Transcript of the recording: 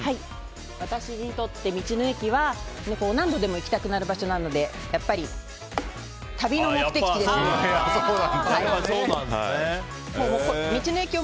私にとって道の駅は何度でも行きたくなる場所なのでやっぱりそうなんですね。